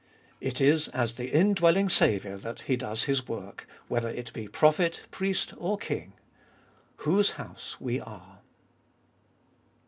It is as the Indwelling Saviour that He does His work, whether it be Prophet, Priest, or King. Whose house we are.